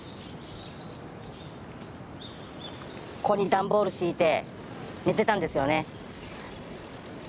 ここに段ボール敷いて寝てたんですよね。